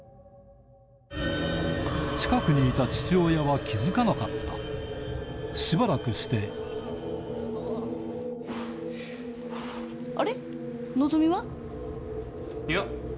近くにいた父親は気付かなかったしばらくしてあれ？